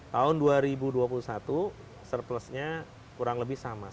tahun dua ribu dua puluh satu surplusnya kurang lebih sama